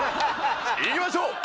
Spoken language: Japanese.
いきましょう！